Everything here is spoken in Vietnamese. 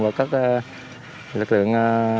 và các lực lượng